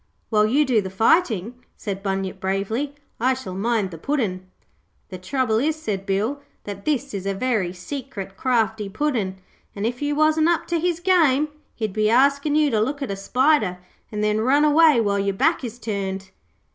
'While you do the fighting,' said Bunyip bravely, 'I shall mind the Puddin'.' 'The trouble is,' said Bill, 'that this is a very secret, crafty Puddin', an' if you wasn't up to his game he'd be askin' you to look at a spider an' then run away while your back is turned.'